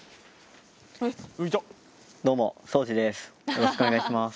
よろしくお願いします。